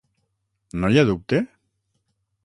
No hi ha dubte?